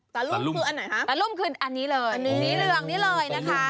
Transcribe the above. ตะลุ่มคืออันไหนคะสี่เหลวนี้เลยฟังกันมานะครับ